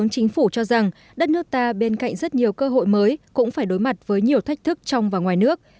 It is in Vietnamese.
chính phủ cho rằng đất nước ta bên cạnh rất nhiều cơ hội mới cũng phải đối mặt với nhiều thách thức trong và ngoài nước